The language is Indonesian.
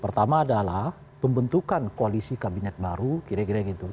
pertama adalah pembentukan koalisi kabinet baru kira kira gitu